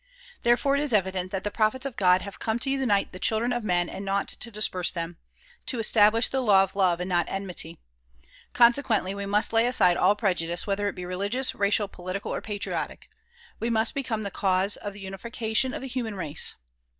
Therefore it is evident that the prophets of God have come to unite the children of men and not to disperse them; to establish the law of love and not enmity. Consequently we must lay aside all prejudice whether it be religious, racial, political or patriotic ; we must become the cause of the unification of the human race.